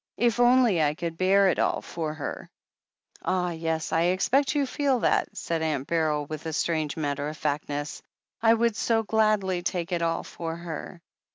If only I could bear it all for her !" THE HEEL OF ACHILLES 435 "Ah, yes — I expect you feel that," said Aunt Beryl with strange matter of factness. "I would so gladly take it all for her."